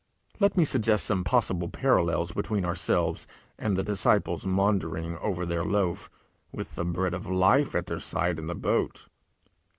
Let me suggest some possible parallels between ourselves and the disciples maundering over their one loaf with the Bread of Life at their side in the boat.